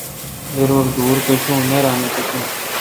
گرور دور پشوں، نییرا نہ پݭوں۔